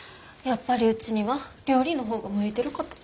やっぱりうちには料理の方が向いてるかと。